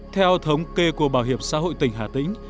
theo thống kê của bảo hiểm xã hội tỉnh hà tĩnh